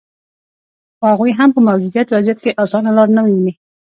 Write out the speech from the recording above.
خو هغوي هم په موجوده وضعیت کې اسانه لار نه ویني